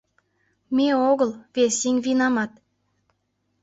Ме огыл, вес еҥ винамат.